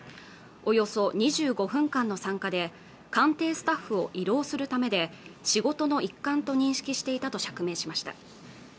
およそ２５分間の参加で官邸スタッフを慰労するためで仕事の一環と認識していたと釈明しました